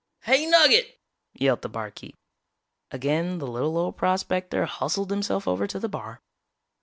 "Hey, Nugget!" yelled the barkeep. Again the little old prospector hustled himself over to the bar.